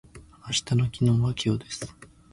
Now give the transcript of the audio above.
明日の昨日は今日です。